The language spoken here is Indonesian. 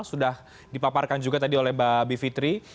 sudah dipaparkan juga tadi oleh mbak b fitri